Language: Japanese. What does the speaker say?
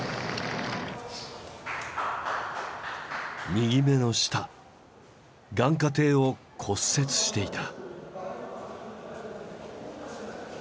右目の下眼窩底を骨折していた。